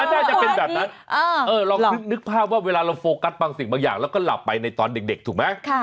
น่าจะเป็นแบบนั้นลองนึกภาพว่าเวลาเราโฟกัสบางสิ่งบางอย่างแล้วก็หลับไปในตอนเด็กถูกไหม